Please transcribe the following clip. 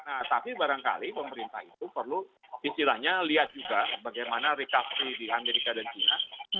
nah tapi barangkali pemerintah itu perlu istilahnya lihat juga bagaimana recovery di amerika dan china